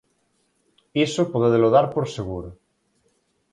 Iso podédelo dar por seguro.